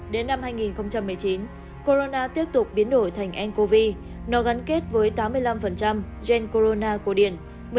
đến năm hai nghìn một mươi chín corona tiếp tục biến đổi thành ncov nó gắn kết với tám mươi năm gen corona cổ điển